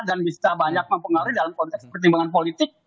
dan bisa banyak mempengaruhi dalam konteks pertimbangan politik